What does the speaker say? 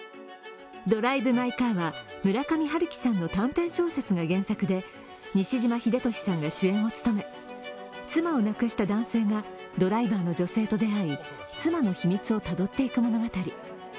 「ドライブ・マイ・カー」は、村上春樹さんの短編小説が原作で西島秀俊さんが主演を務め妻を亡くした男性がドライバーの女性と出会い妻の秘密をたどっていく物語。